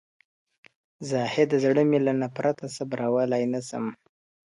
زاهده زړه مي له نفرته صبرولای نه سم !.